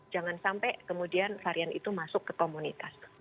jangan sampai kemudian varian itu masuk ke komunitas